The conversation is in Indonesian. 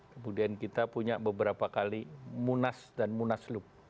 kemudian kita punya beberapa kali munas dan munaslup